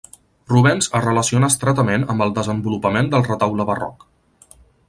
Rubens es relaciona estretament amb el desenvolupament del retaule barroc.